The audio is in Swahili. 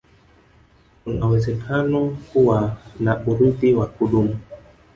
tunawezekano kuwa na urithi wa kudumu